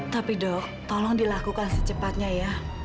tapi dok tolong dilakukan secepatnya ya